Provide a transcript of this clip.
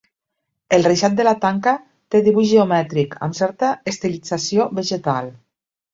El reixat de la tanca té dibuix geomètric amb certa estilització vegetal.